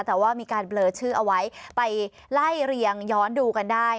แต่ว่ามีการเบลอชื่อเอาไว้ไปไล่เรียงย้อนดูกันได้